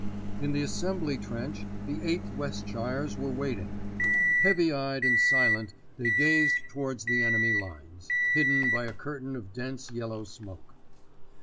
In the assembly trench the 8th Westshires were waiting. Heavy eyed and silent they gazed towards the enemy lines, hidden by a curtain of dense yellow smoke.